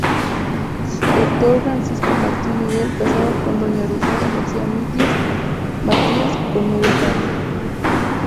D. Francisco Martín Miguel casado con doña Rosaura García Matías con media parte.